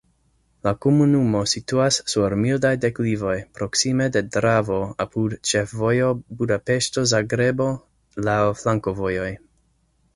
La komunumo situas sur mildaj deklivoj, proksime de Dravo, apud ĉefvojo Budapeŝto-Zagrebo, laŭ flankovojoj.